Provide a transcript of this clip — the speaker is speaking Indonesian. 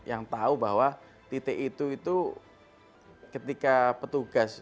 yang tahu bahwa titik itu ketika petugas